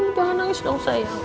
mari aja jangan nangis dong sayang